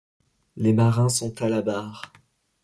Les marins sont à la barre